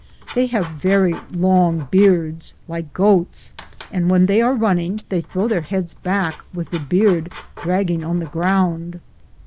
They have very long beards, like goats, and when they are running they throw their beads back with the beard dragging on the ground.